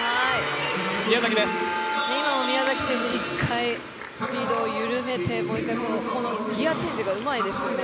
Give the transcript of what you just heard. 宮崎選手、一回スピードを緩めて、もう一回、このギアチェンジがうまいですよね。